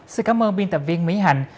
xin cảm ơn biên tập viên mỹ hạnh